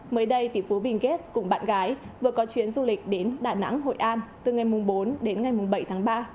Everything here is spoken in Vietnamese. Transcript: mới đây tỷ phú bình ghét cùng bạn gái vừa có chuyến du lịch đến đà nẵng hội an từ ngày bốn đến ngày bảy tháng ba